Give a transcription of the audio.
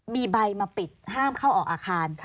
มีใบมาปิดห้ามเข้าออกอาคาร